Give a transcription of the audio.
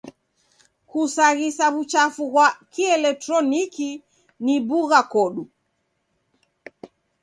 Kusaghisa w'uchafu ghwa kieletroniki ni bugha kodu.